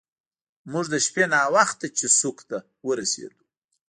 موږ د شپې ناوخته چیسوک ته ورسیدو.